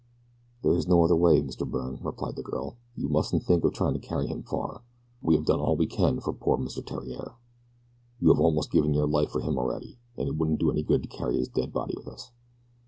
"There is no other way, Mr. Byrne," replied the girl. "You mustn't think of trying to carry him far. We have done all we can for poor Mr. Theriere you have almost given your life for him already and it wouldn't do any good to carry his dead body with us."